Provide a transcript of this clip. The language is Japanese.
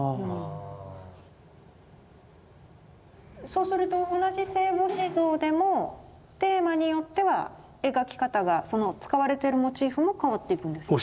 そうすると同じ聖母子像でもテーマによっては描き方がその使われてるモチーフも変わっていくんですか？